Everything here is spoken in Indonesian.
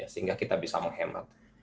sehingga kita bisa menghemat